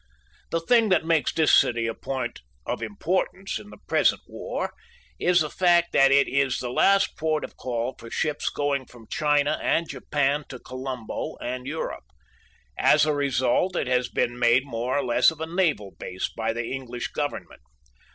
The thing that makes this city a point of importance in the present war is the fact that it is the last port of call for ships going from China and Japan to Colombo and Europe. As a result, it has been made more or less of a naval base by the English Government.